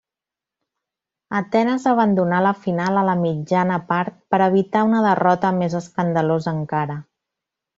Atenes abandonà la final a la mitjana part per evitar una derrota més escandalosa encara.